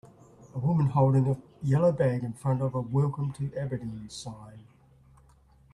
A woman holding a yellow bag in front of a Welcome to Aberdeen sign.